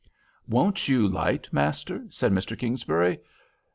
"Won't you 'light, Master?" said Mr. Kingsbury.